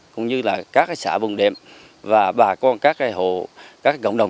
cũng như là các xã vùng đệm và bà con các hộ các cộng đồng